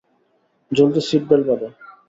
জলদি সিটবেল্ট বাঁধো।